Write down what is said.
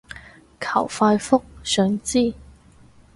求快覆，想知